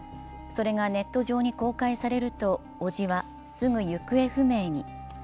それがネット上に公開されると、おじはすぐ行方不明に。